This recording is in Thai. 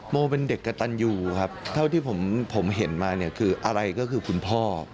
โมเป็นเด็กกระตันยูครับเท่าที่ผมเห็นมาเนี่ยคืออะไรก็คือคุณพ่อ